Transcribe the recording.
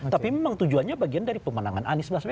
tapi memang tujuannya bagian dari pemenangan anies baswedan